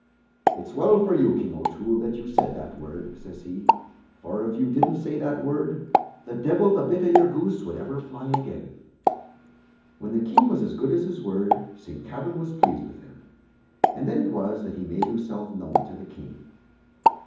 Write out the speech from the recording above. "It's well for you, King O'Toole, that you said that word," says he; "for if you didn't say that word, the divil the bit o' your goose would ever fly agin." When the King was as good as his word, Saint Kavin was pleased with him, and then it was that he made himself known to the King.